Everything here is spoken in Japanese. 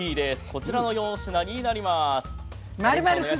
こちらの４品になります。